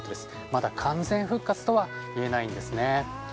まだ完全復活とは言えないんですね。